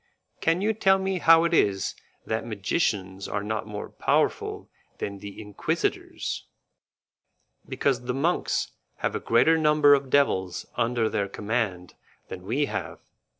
Can you tell me how it is that magicians are not more powerful than the Inquisitors?" "Because the monks have a greater number of devils under their command than we have.